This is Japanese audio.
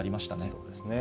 そうですね。